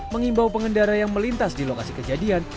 mengimbau pengendara yang melintas di lokasi kejadian